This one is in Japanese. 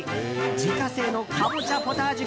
自家製のカボチャポタージュ